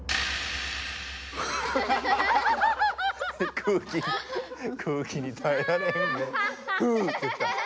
空気空気にたえられへんで「ふ」って言った。